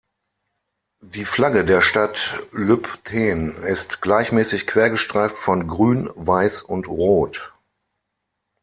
Die Flagge der Stadt Lübtheen ist gleichmäßig quergestreift von Grün, Weiß und Rot.